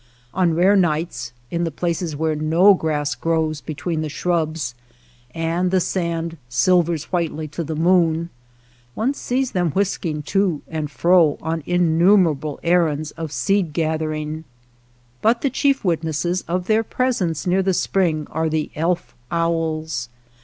On rare nights, in the places where no grass grows between the shrubs, and the sand silvers whitely to the moon, one sees them whisking to and fro on in numerable errands of seed gathering, but the chief witnesses of their presence near the spring are the elf owls.